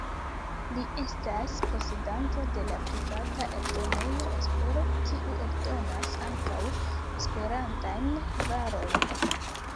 Li estas posedanto de la privata eldonejo Espero, kiu eldonas ankaŭ Esperantajn varojn.